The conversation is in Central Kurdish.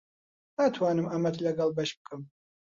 ناتوانم ئەمەت لەگەڵ بەش بکەم.